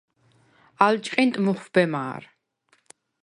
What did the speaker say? ალ ჭყინტ მუხვბე მა̄რ.